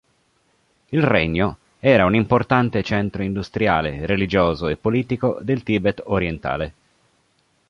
Il regno era un importante centro industriale, religioso e politico del Tibet orientale.